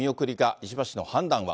石破氏の判断は。